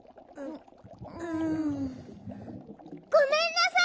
ううん。ごめんなさい！